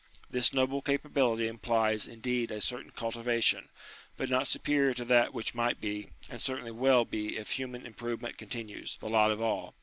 This noble capability implies indeed a certain cultivation, but not superior to that which might be, and certainly will be if human improve ment continues, the lot of all.